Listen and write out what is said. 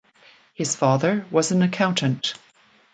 His father was an accountant.